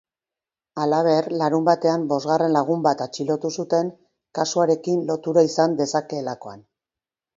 Halaber, larunbatean bosgarren lagun bat atxilotu zuten kasuarekin lotura izan dezakeelakoan.